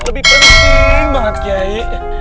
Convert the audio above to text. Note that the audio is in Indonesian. lebih penting banget kiai